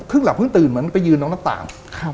ครึ่งหลับครึ่งตื่นเหมือนไปยืนตรงหน้าต่าง